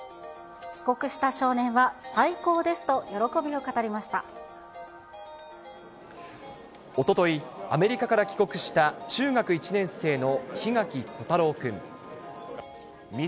帰国した少年は最高ですと喜おととい、アメリカから帰国した中学１年生の檜垣虎太郎君。